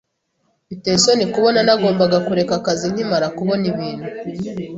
Biteye isoni kubona nagombaga kureka akazi nkimara kubona ibintu.